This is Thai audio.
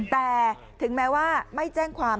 แต่ถึงแม้ว่าไม่แจ้งความ